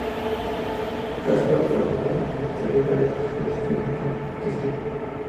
Caspar trabajó para un notario: varias veces puso su firma como testigo.